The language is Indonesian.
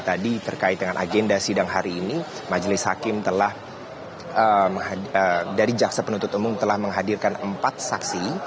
jadi terkait dengan agenda sidang hari ini majelis hakim dari jaksa penuntut umum telah menghadirkan empat saksi